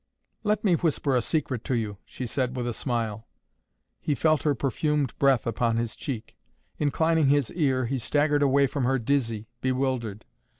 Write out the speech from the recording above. "Let me whisper a secret to you!" she said with a smile. He felt her perfumed breath upon his cheek. Inclining his ear he staggered away from her dizzy, bewildered.